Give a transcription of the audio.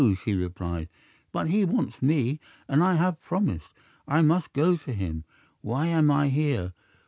she replied; "but he wants me, and I have promised; I must go to him. Why am I here?